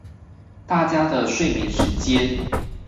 大家的睡眠時間